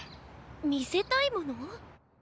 みせたいもの？